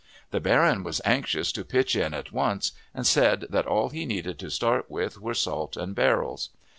The baron was anxious to pitch in at once, and said that all he needed to start with were salt and barrels.